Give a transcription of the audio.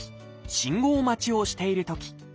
信号待ちをしているとき。